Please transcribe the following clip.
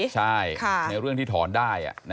ใช่ในเรื่องที่ถอนได้